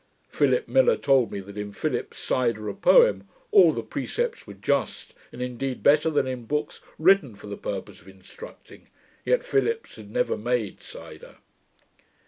Philip Miller told me, that in Philips's "Cyder", a poem, all the precepts were just, and indeed better than in books written for the purpose of instructing; yet Philips had never made cyder.'